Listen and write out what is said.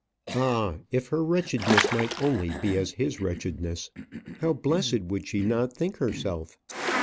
Ah! if her wretchedness might only be as his wretchedness! How blessed would she not think herself!